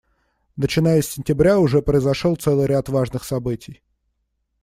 Начиная с сентября уже произошел целый ряд важных событий.